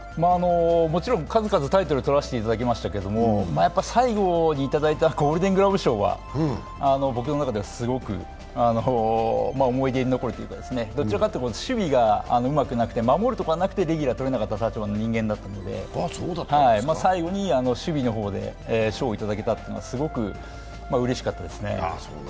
もちろん数々タイトル取らせていただきましたけど最後にいただいたゴールデングラブ賞は僕の中ではすごく思い出に残るというか、どちらかというと守備がうまくなくて守るところがなくてレギュラーをとれなかった立場の人間なので最後に守備の方で賞をいただけたというのはうれしかったですね。